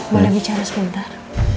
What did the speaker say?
mau ada bicara sebentar